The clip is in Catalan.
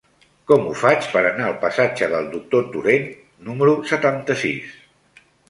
Com ho faig per anar al passatge del Doctor Torent número setanta-sis?